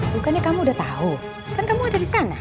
bukannya kamu udah tahu kan kamu ada di sana